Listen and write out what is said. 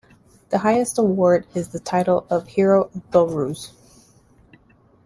The highest award is the title of the Hero of Belarus.